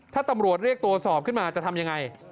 ถ้าตำรวจเรียกตัวสอบขึ้นมาจะทำยังไง